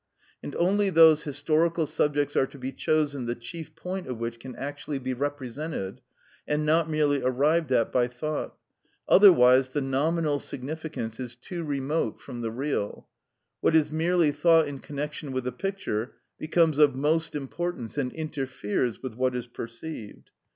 And only those historical subjects are to be chosen the chief point of which can actually be represented, and not merely arrived at by thought, otherwise the nominal significance is too remote from the real; what is merely thought in connection with the picture becomes of most importance, and interferes with what is perceived.